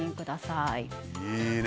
いいね！